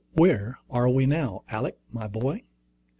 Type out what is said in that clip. "Where are we now, Alick, my boy?"